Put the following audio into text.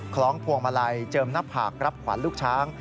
คล้องพวงมาลัยเจิมหน้าผากรับขวัญลูกช้าง